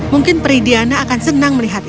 mungkin pri diana akan senang melihat ini